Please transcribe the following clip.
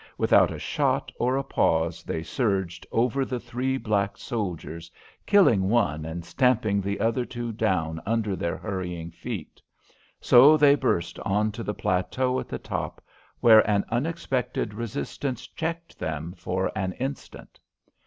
Without a shot or a pause they surged over the three black soldiers, killing one and stamping the other two down under their hurrying feet. So they burst on to the plateau at the top, where an unexpected resistance checked them for an instant.